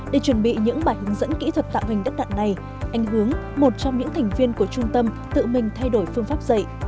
để chuẩn bị những bài hướng dẫn kỹ thuật tạo hình đất đặn này anh hướng một trong những thành viên của trung tâm tự mình thay đổi phương pháp dạy